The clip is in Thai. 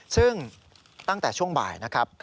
ซึ่งตั้งแต่ช่วงบ่ายนะครับ